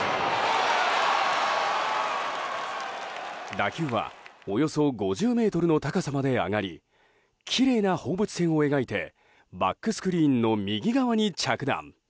打球はおよそ５０ｍの高さまで上がりきれいな放物線を描いてバックスクリーンの右側に着弾。